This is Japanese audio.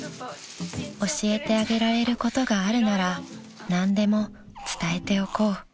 ［教えてあげられることがあるなら何でも伝えておこう］